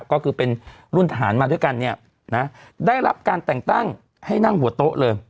ก็คือเป็นรุ่นทหารมาด้วยกันเนี่ยนะได้รับการแต่งตั้งให้นั่งหัวโต๊ะเลย